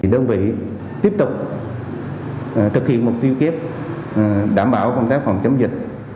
đơn vị tiếp tục thực hiện một tiêu kiếp đảm bảo công tác phòng chống dịch